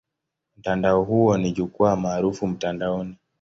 Mtandao huo ni jukwaa maarufu mtandaoni.